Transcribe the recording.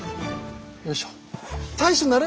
よいしょ。